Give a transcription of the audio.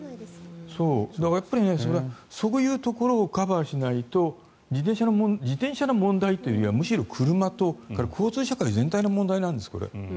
だからそういうところをカバーしないと自転車の問題というよりはむしろ車とそれから交通社会全体の問題なんです、これは。